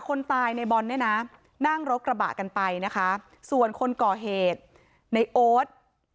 คนตายในบอลเนี่ยนะนั่งรถกระบะกันไปนะคะส่วนคนก่อเหตุในโอ๊ต